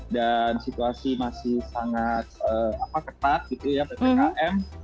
dan situasi masih sangat ketat gitu ya pt nkm